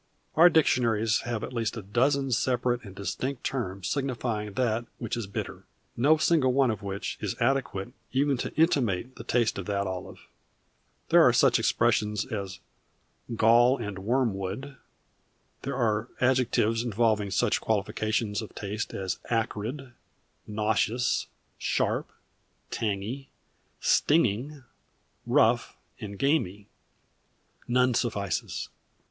Our dictionaries have at least a dozen separate and distinct terms signifying that which is bitter, no single one of which is adequate even to intimate the taste of that olive. There are such expressions as "gall and wormwood"; there are adjectives involving such qualifications of taste as "acrid," "nauseous," "sharp," "tangy," "stinging," "rough," and "gamy." None suffices.